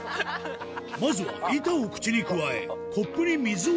まずは板を口に加え、コップに水を。